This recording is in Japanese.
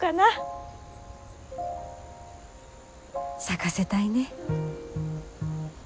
咲かせたいね。